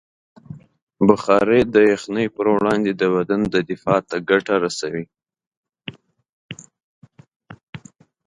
بخاري د یخنۍ پر وړاندې د بدن دفاع ته ګټه رسوي.